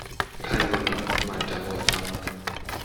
Kein Wunder, meint der Amerikaner.